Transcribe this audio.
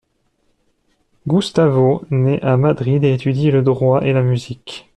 Gustavo naît à Madrid et étudie le droit et la musique.